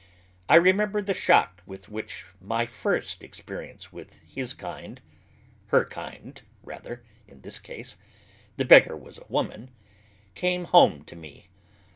I remem ber the shock with which my first experience with hia kind — her kind, rather, in this case: the beggar was a woman — came home to me.